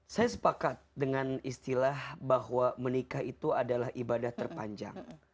saya sepakat dengan istilah bahwa menikah itu adalah ibadah terpanjang